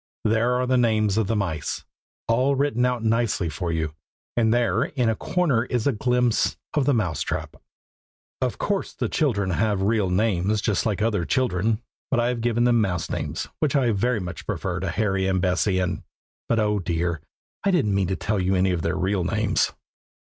There are the names of the mice, all written out nicely for you, and there in a corner is a glimpse of the mouse trap. Of course the children have real names, just like other children; but I have given them mouse names, which I very much prefer to Harry and Bessie, and but oh! dear, I didn't mean to tell you any of their real names.